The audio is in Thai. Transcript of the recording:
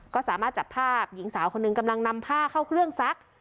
ก็สามารถจับภาพหญิงสาวคนหนึ่งกำลังนำผ้าเข้าเครื่องซัก